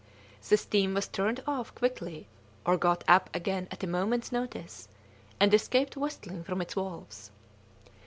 The steam was turned off quickly or got up again at a moment's notice, and escaped whistling from its valves.